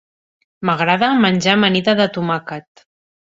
M'agrada menjar amanida de tomàquet.